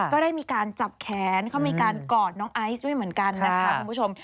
ก็ได้มีการจับแขนเขามีการกอดน้องไอซ์ด้วยเหมือนกันนะคะคุณผู้ชม